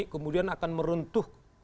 kemudian akan merentuh